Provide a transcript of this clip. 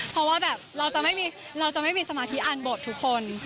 เพราะว่าแบบเราจะไม่มีสมาธิอ่านบททุกคน